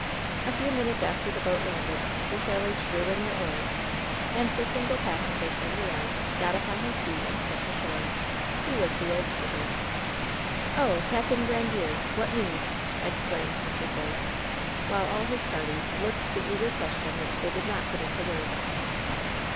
A few minutes after the boat landed, the sailors drew in their oars and the single passenger turned around, got upon his feet, and stepped ashore. He was the old skipper. WHEN SHADOWS DIE 77 "Ohl Capt. Grandierel What news?" exclaimed Mr. Force, while all his party looked the eager question which they did not put into words.